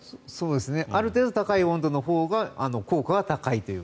ある程度、高い温度のほうが効果が高いという。